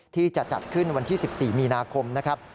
ที่จะจัดขึ้นวันที่๑๔มีนาคมนะครับ